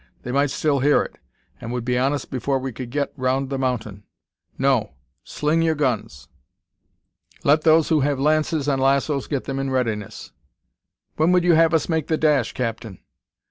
They might still hear it, and would be on us before we could get round the mountain. No! sling your guns! Let those who have lances and lassoes get them in readiness." "When would you have us make the dash, captain?"